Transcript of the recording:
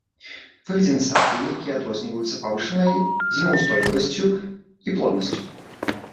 Выведзены сарты, якія адрозніваюцца павышанай зімаўстойлівасцю і плоднасцю.